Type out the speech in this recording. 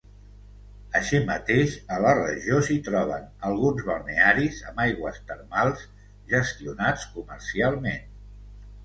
Així mateix, a la regió s'hi troben alguns balnearis amb aigües termals gestionats comercialment.